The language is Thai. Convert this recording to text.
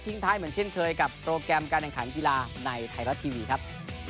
ท้ายเหมือนเช่นเคยกับโปรแกรมการแข่งขันกีฬาในไทยรัฐทีวีครับ